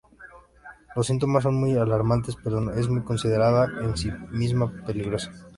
Los síntomas son muy alarmantes, pero no es considerada en sí misma peligrosa.